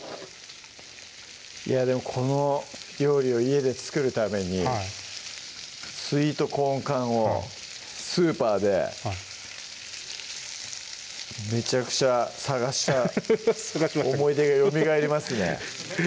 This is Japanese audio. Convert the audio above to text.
いやでもこの料理を家で作るためにスイートコーン缶をスーパーでめちゃくちゃ探した思い出がよみがえりますね